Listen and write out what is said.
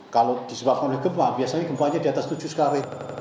kalau disebabkan oleh gempa biasanya gempanya diatas tujuh skr